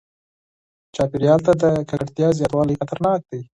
چاپیریال ته د ککړتیا زیاتوالی خطرناک دی.